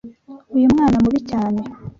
Uyu mwana mubi cyane.